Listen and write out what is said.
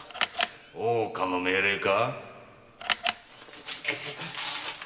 大岡の命令か？